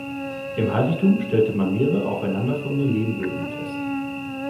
Im Heiligtum stellte man mehrere aufeinanderfolgende Lehmböden fest.